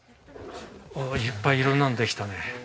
ああいっぱい色んなのできたね。